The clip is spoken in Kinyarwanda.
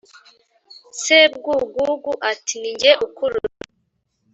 Sebwugugu ati: "Ni jye ukurusha